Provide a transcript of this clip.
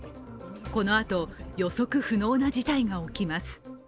このあと、予測不能な事態が起きます。